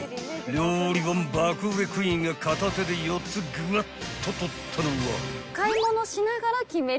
［料理本爆売れクイーンが片手で４つぐわっと取ったのは］